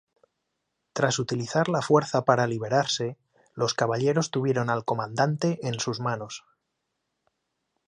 Tras utilizar la fuerza para liberarse, los caballeros tuvieron al comandante en sus manos.